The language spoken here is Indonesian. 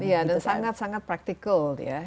iya dan sangat sangat practical ya